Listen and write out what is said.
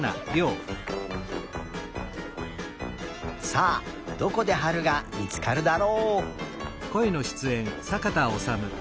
さあどこではるがみつかるだろう。